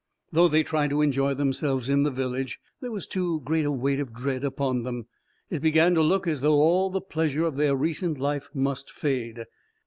Though they tried to enjoy themselves in the village, there was too great a weight of dread upon them. It began to look as though all the pleasure of their recent life must fade.